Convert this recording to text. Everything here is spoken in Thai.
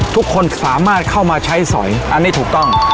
ทุกคนสามารถเข้ามาใช้สอยอันนี้ถูกต้อง